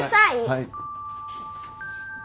はい。